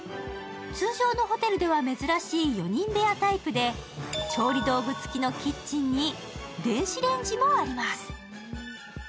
通常のホテルでは珍しい４人部屋タイプで調理道具付きのキッチンに電子レンジもあります。